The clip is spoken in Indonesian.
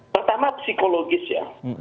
pertama psikologis ya